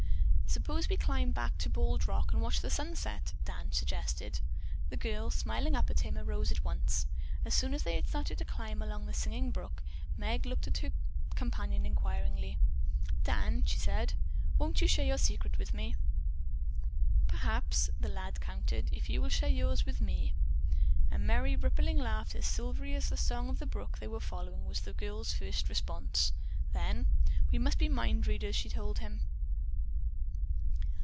"Suppose we climb to Bald Rock and watch the sunset," Dan suggested. The girl, smiling up at him, arose at once. As soon as they had started to climb along the singing brook, Meg looked at her companion inquiringly. "Dan," she said, "won't you share your secret with me?" "Perhaps," the lad countered, "if you will share yours with me." A merry, rippling laugh, as silvery as the song of the brook they were following, was the girl's first response. Then, "We must be mind readers," she told him.